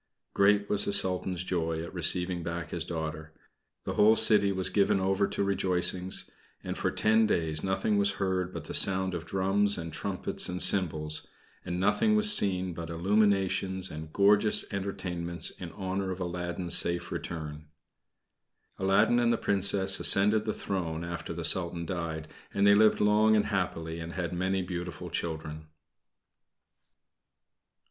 Great was the Sultan's joy at receiving back his daughter. The whole city was given over to rejoicings, and for ten days nothing was heard but the sound of drums and trumpets and cymbals, and nothing was seen but illuminations and gorgeous entertainments in honor of Aladdin's safe return. Aladdin and the Princess ascended the throne after the Sultan died and they lived long and happily and had many beautiful children.